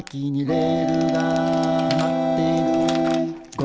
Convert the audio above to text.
「レールがーまってるー」